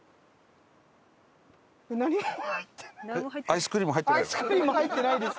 アイスクリームも入ってないです。